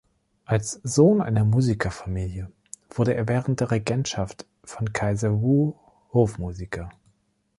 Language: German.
Als Sohn einer Musikerfamilie wurde er während der Regentschaft von Kaiser Wu Hofmusiker.